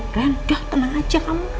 rian udah tenang aja kamu